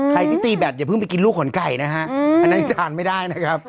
ใครที่ตีแบตอย่าเพิ่งไปกินลูกขนไก่นะฮะอันนั้นทานไม่ได้นะครับ